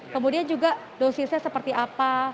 kemudian juga dosisnya seperti apa